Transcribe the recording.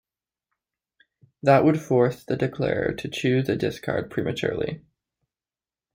That would force the declarer to choose a discard prematurely.